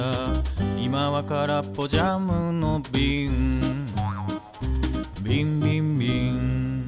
「いまはからっぽジャムのびん」「びんびんびん」